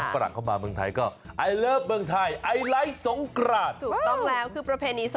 โปรดติดตามต่อไป